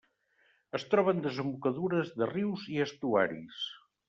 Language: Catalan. Es troba en desembocadures de rius i estuaris.